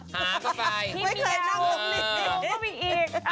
หายจ๋า